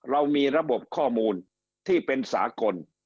เรามีระบบข้อมูลที่เป็นสากล